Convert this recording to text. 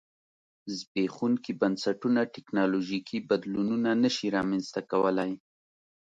زبېښونکي بنسټونه ټکنالوژیکي بدلونونه نه شي رامنځته کولای.